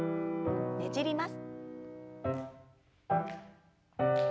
ねじります。